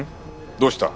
どうした？